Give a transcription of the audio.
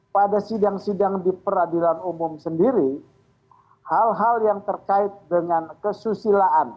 pada sidang sidang di peradilan umum sendiri hal hal yang terkait dengan kesusilaan